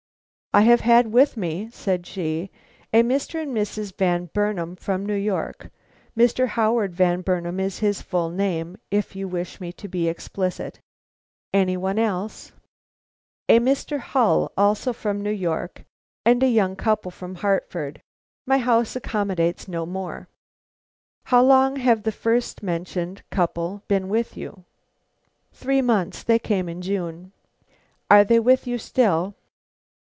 "I have had with me," said she, "a Mr. and Mrs. Van Burnam from New York. Mr. Howard Van Burnam is his full name, if you wish me to be explicit." "Any one else?" "A Mr. Hull, also from New York, and a young couple from Hartford. My house accommodates no more." "How long have the first mentioned couple been with you?" "Three months. They came in June." "Are they with you still?"